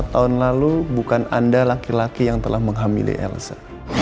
tahun lalu bukan anda laki laki yang telah menghamili elsa